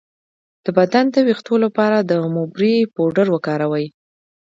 د بدن د ویښتو لپاره د موبری پوډر وکاروئ